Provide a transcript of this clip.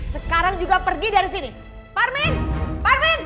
sekarang juga pergi dari sini parmin parmin